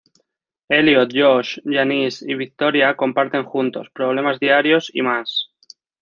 Elliot, Josh, Janice y Victoria, comparten juntos, problemas diarios... y más.